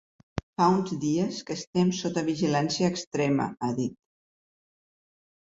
Fa uns dies que estem sota vigilància extrema, ha dit.